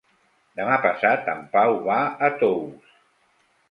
Demà passat en Pau va a Tous.